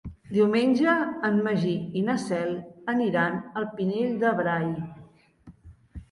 Diumenge en Magí i na Cel aniran al Pinell de Brai.